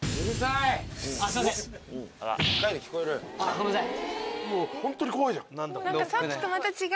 ごめんなさい。